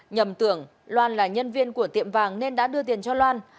nhầm tưởng loan là nhân viên của tiệm vàng nên đã đưa tiền cho loan